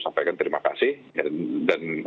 sampaikan terima kasih dan